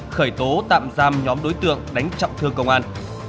khởi tố tạm giam nhóm đối tượng đánh trọng thương công an